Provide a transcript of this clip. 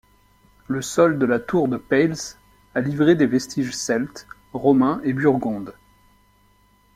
Le sol de La Tour-de-Peilz a livré des vestiges celtes, Romains et Burgondes.